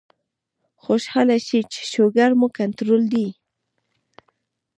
خوشاله شئ چې شوګر مو کنټرول دے